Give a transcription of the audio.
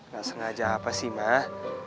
gak sengaja apa sih mbah